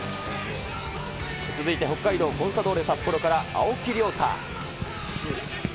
続いて北海道コンサドーレ札幌から青木亮太。